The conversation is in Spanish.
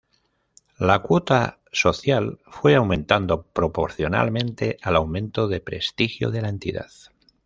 La cuota social fue aumentando proporcionalmente al aumento de prestigio de la entidad.